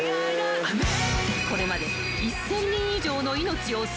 ［これまで］